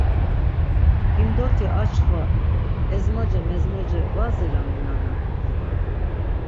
Himdoti aşǩva, ezmoce mezmoce va zirami nana, ya.